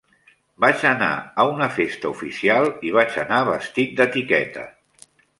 Vaig anar a una festa oficial i vaig anar vestit d'etiqueta.